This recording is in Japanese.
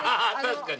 確かに。